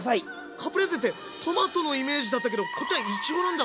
カプレーゼってトマトのイメージだったけどこっちはいちごなんだ！